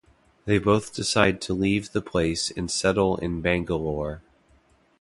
They both decide to leave the place and settle in Bangalore.